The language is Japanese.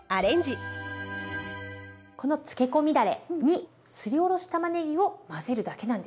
このつけ込みだれにすりおろしたまねぎを混ぜるだけなんです。